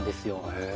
へえ。